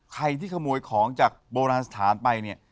ใครที่ขโมยของจากโบราณสถานไปเนี่ย